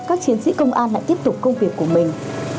các chiến sĩ công an lại tiếp tục công việc của mình